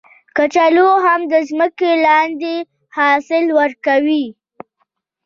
کچالو هم د ځمکې لاندې حاصل ورکوي